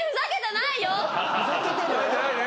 ふざけてないね。